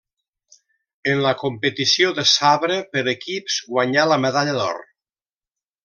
En la competició de sabre per equips guanyà la medalla d'or.